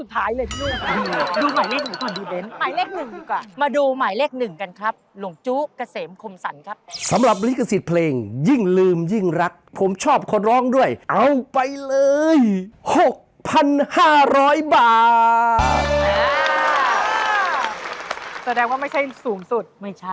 ทหลงอย่างส่อบคนร้องด้วยเอาไปเลย๖๕๐๐บาท